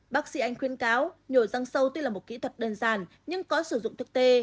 bác sĩ ánh khuyên cáo nhổ răng sâu tuy là một kỹ thuật đơn giản nhưng có sử dụng thuốc t